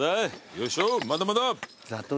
よいしょまだまだ。